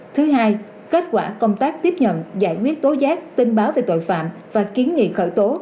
thứ hai kết quả công tác tiếp nhận giải quyết tố giác tin báo về tội phạm và kiến nghị khởi tố